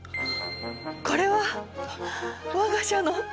これは我が社の。